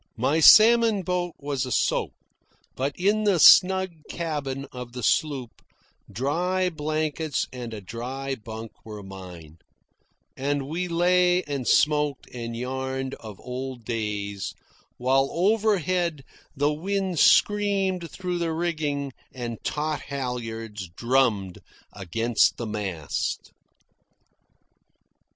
My salmon boat was a soak, but in the snug cabin of the sloop dry blankets and a dry bunk were mine; and we lay and smoked and yarned of old days, while overhead the wind screamed through the rigging and taut halyards drummed against the mast.